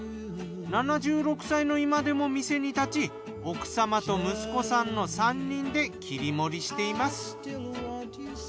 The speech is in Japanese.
７６歳の今でも店に立ち奥様と息子さんの３人で切り盛りしています。